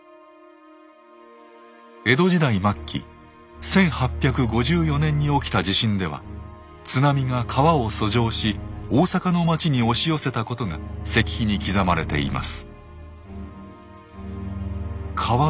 江戸時代末期１８５４年に起きた地震では津波が川を遡上し大阪の町に押し寄せたことが石碑に刻まれています。